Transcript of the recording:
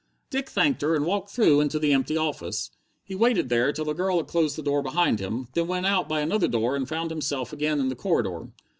Dick thanked her, and walked through into the empty office. He waited there till the girl had closed the door behind him, then went out by another door and found himself again in the corridor.